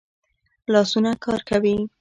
لاسونه کار کوي